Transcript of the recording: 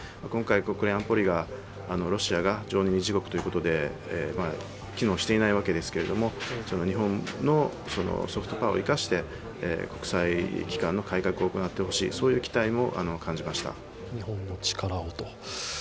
今回、国連安保理、ロシアが常任理事国ということで機能していないわけですけれども、日本のソフトパワーを生かして国際機関の改革を行ってほしいそういう期待も感じました。